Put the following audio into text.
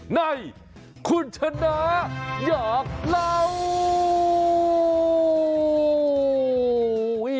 ในคุณชนะอยากเล่า